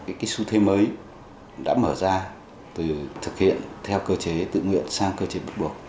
cái xu thế mới đã mở ra từ thực hiện theo cơ chế tự nguyện sang cơ chế bắt buộc